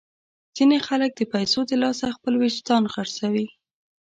ځینې خلک د پیسو د لاسه خپل وجدان خرڅوي.